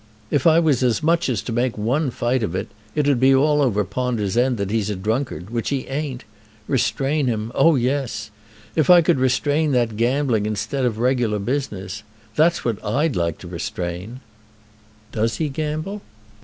If I was as much as to make one fight of it, it'd be all over Ponder's End that he's a drunkard; which he ain't. Restrain him; oh, yes! If I could restrain that gambling instead of regular business! That's what I'd like to restrain." "Does he gamble?"